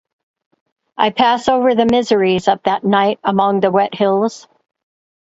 I pass over the miseries of that night among the wet hills.